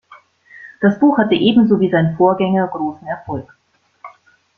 Das Buch hatte ebenso wie sein Vorgänger großen Erfolg.